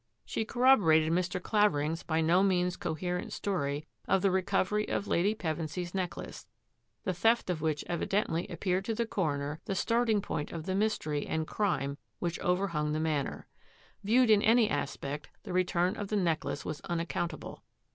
She corroborated Mr. Clavering's by no means coherent story of the recovery of Lady Pevensy's necklace, the theft of which evidently appeared to the coroner the starting point of the mystery and crime which overhung the Manor. Viewed in any aspect, the return of the necklace was unaccount able.